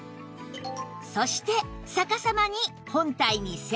そして逆さまに本体にセット